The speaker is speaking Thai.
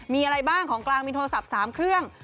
มีอะไรบ้างของกลางมีโทรศัพท์๓เครื่อง